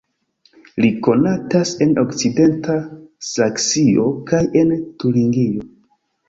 Li konatas en okcidenta Saksio kaj en Turingio.